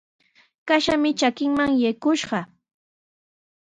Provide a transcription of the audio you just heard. Kashami trakiiman yakushqa.